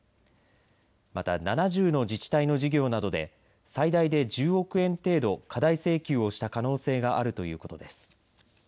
また７０の自治体の事業などで最大で１０億円程度、過大請求をした可能性があるということです。